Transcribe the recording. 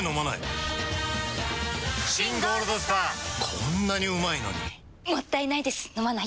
こんなにうまいのにもったいないです、飲まないと。